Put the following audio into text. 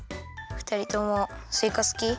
ふたりともスイカすき？